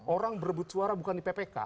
orang berebut suara bukan di ppk